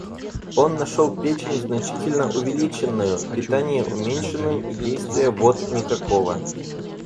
Он нашел печень значительно увеличенною, питание уменьшенным и действия вод никакого.